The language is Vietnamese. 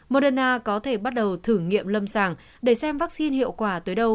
moderna có thể bắt đầu thử nghiệm lâm sàng để xem vaccine hiệu quả tới đâu